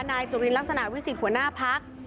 นายจุลินลักษณะวิสิทธิ์หัวหน้าพัก